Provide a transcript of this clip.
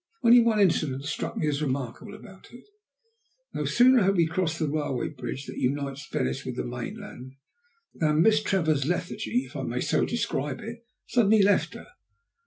Only one incident struck me as remarkable about it. No sooner had we crossed the railway bridge that unites Venice with the mainland, than Miss Trevor's lethargy, if I may so describe it, suddenly left her.